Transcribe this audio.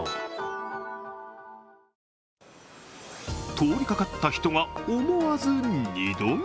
通りかかった人が思わず二度見。